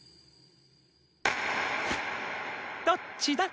どっちだ？